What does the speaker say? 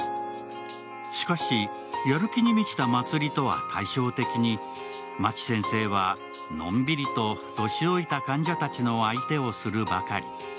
しかし、やる気に満ちた茉莉とは対照的にマチ先生はのんびりと年老いた患者たちの相手をするばかり。